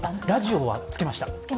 ラジオはつけました。